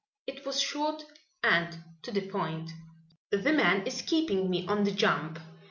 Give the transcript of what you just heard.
It was short and to the point: "The man is keeping me on the jump.